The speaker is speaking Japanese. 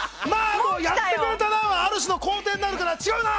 やってくれたなはある種の肯定になるから違うな。